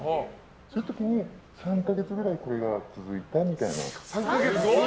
そういう時に３か月ぐらいこれが続いたみたいな。